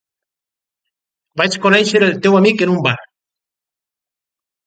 Vas conèixer el teu amic en un bar.